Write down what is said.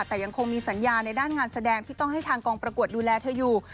แต่ยังคงมีสัญญาในด้านงานแสดงที่ต้องให้ทางกองประกวดดูแลเธออยู่